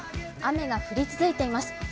雨が降り続いています。